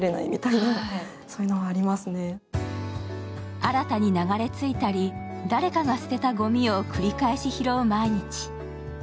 新たに流れ着いたり、誰かが捨てたごみを繰り返し拾う毎日。